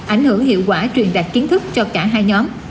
ảnh hưởng hiệu quả truyền đạt kiến thức cho cả hai nhóm